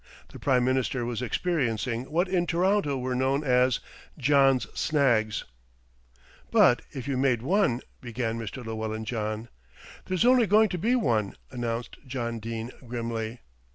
The Prime Minister was experiencing what in Toronto were known as "John's snags." "But if you've made one " began Mr. Llewellyn John. "There's only going to be one," announced John Dene grimly.